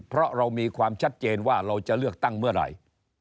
เพราะเรามีความชัดเจนว่าเราจะเลือกตั้งเมื่อไหร่